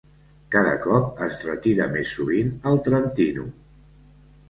Cada cop es retira més sovint al Trentino.